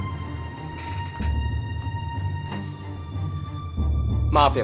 bukannya kami ikut campur urusan orang lain